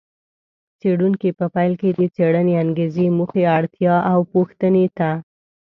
څېړونکي په پیل کې د څېړنې انګېزې، موخې، اړتیا او پوښتنې ته